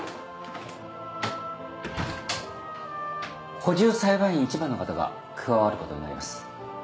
補充裁判員１番の方が加わることになります。